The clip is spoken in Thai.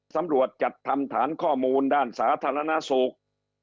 ตำรวจจัดทำฐานข้อมูลด้านสาธารณสุข